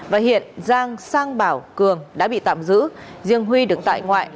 và hiện giang sang bảo cường đã bị tạm giữ riêng huy được tại ngoại